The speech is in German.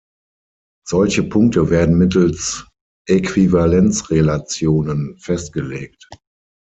Solche Punkte werden mittels Äquivalenzrelationen festgelegt.